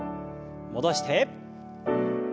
戻して。